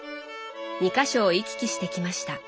２か所を行き来してきました。